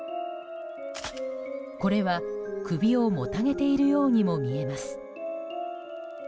これは首をもたげているようにも見えます。